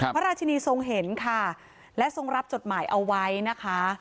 พระราชินีทรงเห็นค่ะและทรงรับจดหมายเอาไว้นะคะ